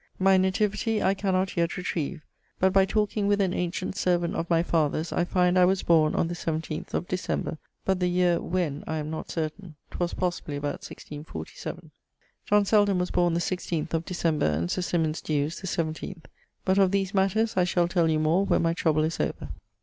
'My nativity I cannot yet retrive; but by talking with an ancient servant of my father's I find I was borne on the 17 of Decemb., but the year when I am not certain: 'twas possibly about 1647. John Selden was borne the 16 of December and Sir Symonds Dews the 17. But of these matters I shall tell you more when my trouble is over.'